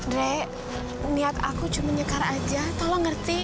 dek niat aku cuma nyekar aja tolong ngerti